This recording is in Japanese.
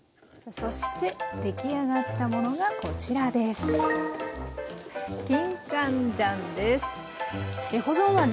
そして出来上がったものがこちらです。